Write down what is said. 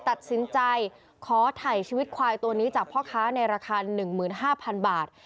ตัดสินใจขอถ่ายชีวิตควายตัวนี้จากพ่อค้าในราคา๑๕๐๐๐บาท